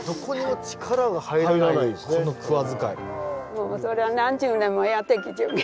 もうそれは何十年もやってきちゅうき。